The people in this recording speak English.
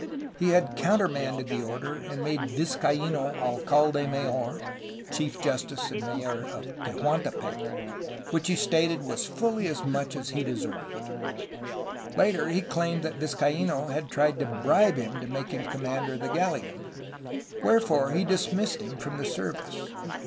He had counter ' Oct. 28, 1605. SEBASTIAN VIZCAINO 139 manded the order, and made Vizcaino alcalde mayor (chief justice and mayor) of Tehuantepec, which he stated was fully as much as he deserved. Later he claimed that Vizcaino had tried to bribe him to make him commander of the galleon, wherefore he dismissed him from the service.